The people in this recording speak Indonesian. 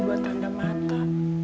dua tanda mata